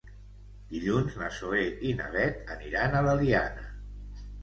Dilluns na Zoè i na Bet aniran a l'Eliana.